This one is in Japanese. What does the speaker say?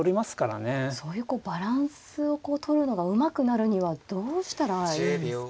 そういうこうバランスをこうとるのがうまくなるにはどうしたらいいんですか？